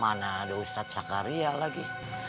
mana ada ustadz sakarya lagi